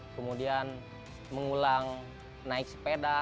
kemudian mengulang naik sepeda